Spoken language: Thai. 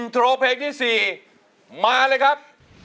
ทีที่สี่มาเลยครับ